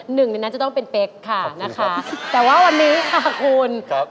หนึ่งในนั้นจะต้องเป็นเป๊กค่ะนะคะแต่ว่าวันนี้ค่ะคุณครับ